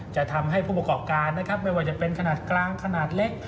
จะทำให้ผู้ประกอบการนะครับไม่ว่าจะเป็นขนาดกลางขนาดเล็ก